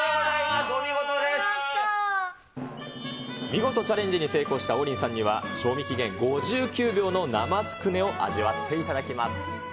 見事チャレンジに成功した王林さんには、賞味期限５９秒の生つくねを味わっていただきます。